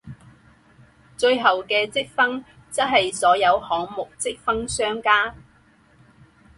最后的积分则是所有项目积分相加。